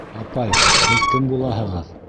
— Апай, һеҙ кем булаһығыҙ?